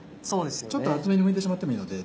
ちょっと厚めにむいてしまってもいいので。